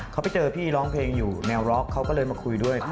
เขาไปเจอพี่ร้องเพลงอยู่แนวร็อกเขาก็เลยมาคุยด้วย